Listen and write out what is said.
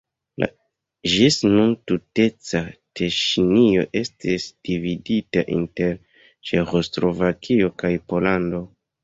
La ĝis nun tuteca Teŝinio estis dividita inter Ĉeĥoslovakio kaj Pollando.